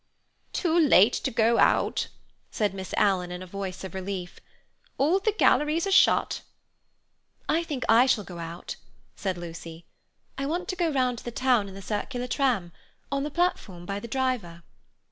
"Too late to go out," said Miss Alan in a voice of relief. "All the galleries are shut." "I think I shall go out," said Lucy. "I want to go round the town in the circular tram—on the platform by the driver."